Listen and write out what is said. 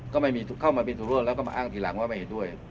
ก็ไม่มีเข้ามาเป็นสุรวดแล้วก็มาอ้างทีหลังว่าไม่เห็นด้วย